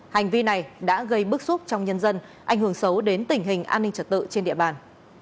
hành vi này đã gây bức xúc trong nhân dân ảnh hưởng xấu đến tình hình an ninh trật tự trên địa bàn